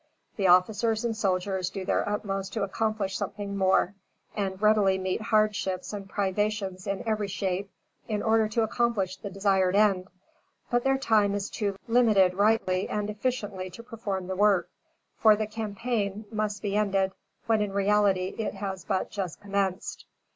The officers and soldiers do their utmost to accomplish something more, and readily meet hardships and privations in every shape in order to accomplish the desired end; but, their time is too limited rightly and efficiently to perform the work; for the campaign must be ended, when in reality it has but just commenced.